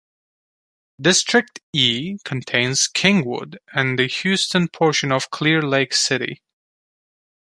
District E contains Kingwood and the Houston portion of Clear Lake City.